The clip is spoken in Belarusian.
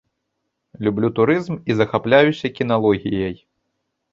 Люблю турызм і захапляюся кіналогіяй.